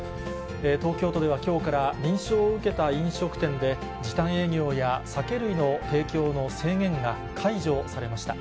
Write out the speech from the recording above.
東京都ではきょうから認証を受けた飲食店で、時短営業や酒類の提供の制限が解除されました。